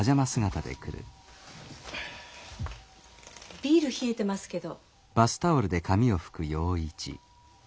ビール冷えてますけど？